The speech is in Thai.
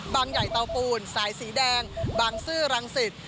ใหญ่เตาปูนสายสีแดงบางซื่อรังสิต